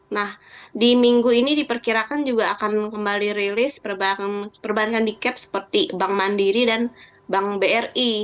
nah di minggu ini diperkirakan juga akan kembali rilis perbankan dicap seperti bank mandiri dan bank bri